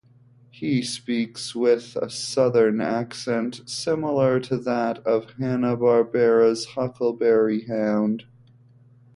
He speaks with a southern accent, similar to that of Hanna-Barbera's Huckleberry Hound.